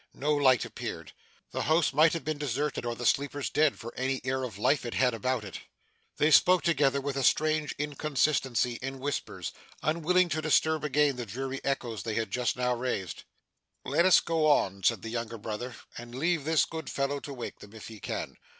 No light appeared. The house might have been deserted, or the sleepers dead, for any air of life it had about it. They spoke together with a strange inconsistency, in whispers; unwilling to disturb again the dreary echoes they had just now raised. 'Let us go on,' said the younger brother, 'and leave this good fellow to wake them, if he can.